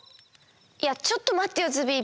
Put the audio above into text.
いやちょっとまってよズビー。